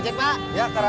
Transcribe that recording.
super bikinin yang baru